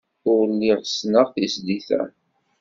Ur lliɣ ssneɣ tizlit-a.